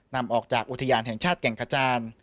นำออกจากอุทยานแห่งชาติแก่งกระจาน